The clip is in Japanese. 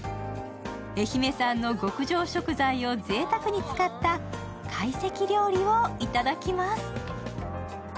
愛媛産の極上食材をぜいたくに使った会席料理をいただきます。